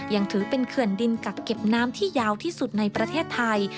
ยังถือเป็นเขื่อนดินกักเก็บน้ำที่ยาวที่สุดในประเทศไทย